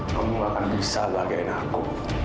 kamu gak akan bisa bahagiain aku